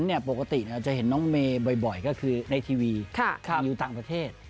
เนี่ยปกติเนี่ยจะเห็นน้องเมย์บ่อยบ่อยก็คือในทีวีค่ะอยู่ต่างประเทศ